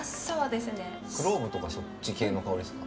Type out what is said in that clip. クローブとかそっち系の香りですか？